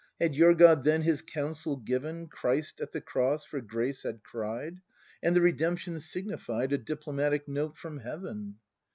Had your God then his counsel given, Christ at the cross for grace had cried — And the Redemption signified A diplomatic note from Heaven.